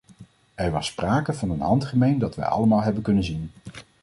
Er was sprake van een handgemeen dat wij allemaal hebben kunnen zien.